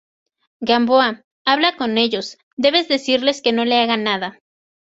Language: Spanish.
Gamboa, habla con ellos. debes decirles que no le hagan nada.